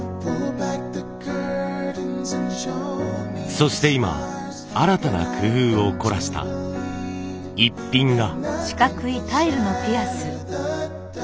そして今新たな工夫を凝らしたイッピンが。